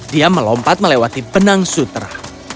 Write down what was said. dia melompat melewati benang sutra